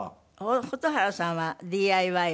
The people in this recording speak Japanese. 蛍原さんはＤＩＹは。